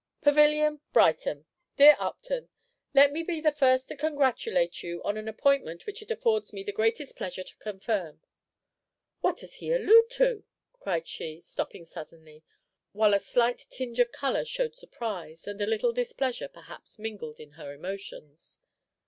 "Pavilion, Brighton. "Dear Upton, Let me be the first to congratulate you on an appointment which it affords me the greatest pleasure to confirm "What does he allude to?" cried she, stopping suddenly, while a slight tinge of color showed surprise, and a little displeasure, perhaps, mingled in her emotions.